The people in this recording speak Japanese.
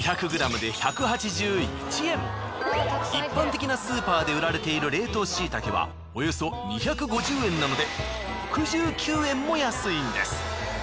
一般的なスーパーで売られている冷凍しいたけはおよそ２５０円なので６９円も安いんです。